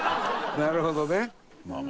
なるほどね。